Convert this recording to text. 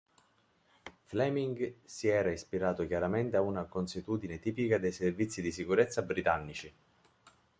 Fleming si era ispirato chiaramente a una consuetudine tipica dei servizi di sicurezza britannici.